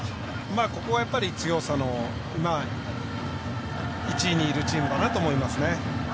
ここがやっぱり強さの１位にいるチームだなと思いますね。